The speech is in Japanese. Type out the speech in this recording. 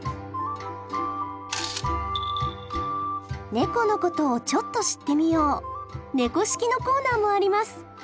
猫のことをちょっと知ってみよう「猫識」のコーナーもあります。